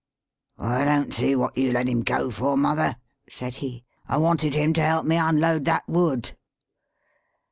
" I don't see what you let him go for, mother," said he. " I wanted him to help me unload that wood."